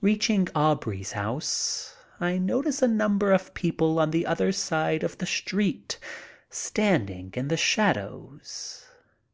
Reaching Aubrey's home, I notice a ntunber of people on the other side of the street standing in the shadows.